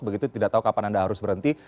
begitu tidak tahu kapan anda harus berhenti